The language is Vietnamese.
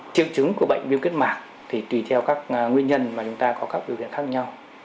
chiều chứng của bệnh viêm kết mạc thì tùy theo các nguyên nhân mà chúng ta có các điều kiện khác nhau